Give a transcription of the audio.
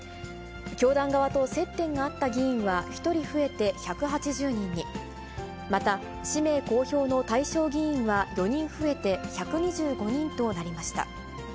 教団側と接点があった議員は、１人増えて１８０人に、また氏名公表の対象議員は４人増えて１２５人となりました。